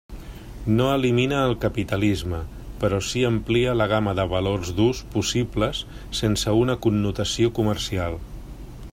No elimina el capitalisme, però si amplia la gamma de valors d'ús possibles sense una connotació comercial.